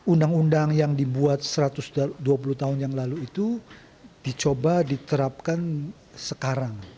undang undang yang dibuat satu ratus dua puluh tahun yang lalu itu dicoba diterapkan sekarang